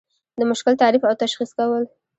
د مشکل تعریف او تشخیص کول.